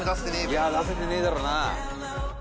いや出せてねぇだろな。